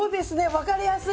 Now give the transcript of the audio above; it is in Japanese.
分かりやすい。